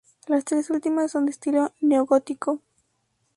Las tres últimas son de estilo neogótico.